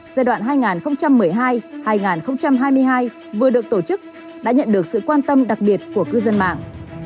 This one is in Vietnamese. giai đoạn hai nghìn một mươi hai hai nghìn hai mươi hai vừa được tổ chức đã nhận được sự quan tâm đặc biệt của cư dân mạng